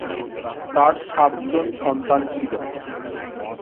তার সাতজন সন্তান ছিল।